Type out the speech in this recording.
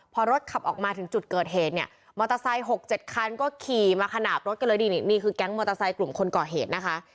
พอรถขับออกมาถึงจุดเกิดเหตุเนี่ยมอเตอร์ไซค์๖๗คันก็ขี่มาขนาดรถกันเลยนี่นี่คือแก๊งมอเตอร์ไซค์กลุ่มคนก่อเหตุนะคะ